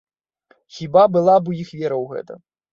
Хіба была б у іх вера ў гэта?